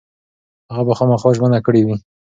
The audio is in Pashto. هغه به خامخا ژمنه کړې وي.